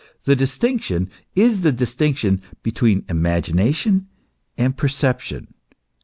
The distinction is the distinction between ima gination and perception.